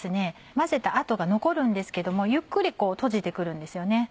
混ぜた跡が残るんですけどもゆっくり閉じて来るんですよね。